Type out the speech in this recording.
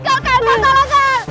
kacau kacau langsung